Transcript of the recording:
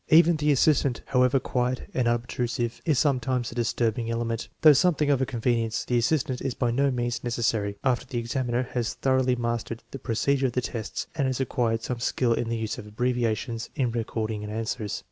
Even the assistant, however quiet and unob trusive, is sometimes a disturbing element. Though some thing of a convenience, the assistant is by no means neces sary, after the examiner has thoroughly mastered the pro cedure of the tests and has acquired some skill in the use of abbreviations in recording the answers.